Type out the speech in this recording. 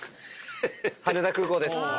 羽田空港です。